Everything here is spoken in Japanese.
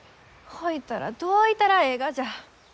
ほいたらどういたらえいがじゃ？